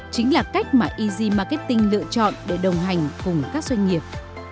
chính là cách mà easy marketing lựa chọn để đồng hành cùng các doanh nghiệp